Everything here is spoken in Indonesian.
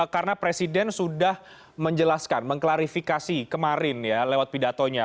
karena presiden sudah menjelaskan mengklarifikasi kemarin ya lewat pidatonya